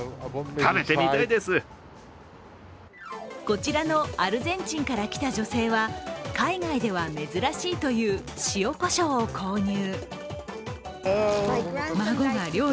こちらのアルゼンチンから来た女性は海外では珍しいという塩こしょうを購入。